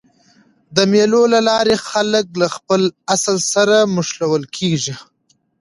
د مېلو له لاري خلک له خپل اصل سره مښلول کېږي.